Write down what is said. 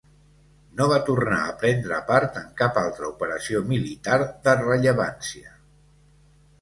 No va tornar a prendre part en cap altra operació militar de rellevància.